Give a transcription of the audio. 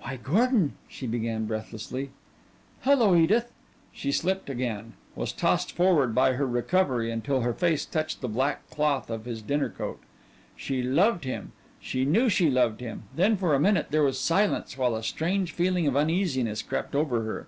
"Why Gordon," she began breathlessly. "Hello, Edith." She slipped again was tossed forward by her recovery until her face touched the black cloth of his dinner coat. She loved him she knew she loved him then for a minute there was silence while a strange feeling of uneasiness crept over her.